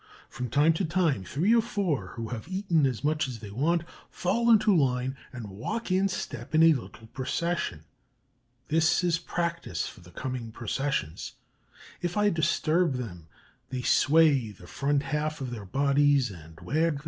From time to time, three or four who have eaten as much as they want fall into line and walk in step in a little procession. This is practice for the coming processions. If I disturb them, they sway the front half of their bodies and wag their heads.